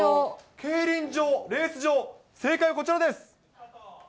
競輪場、レース場、正解はこちらです。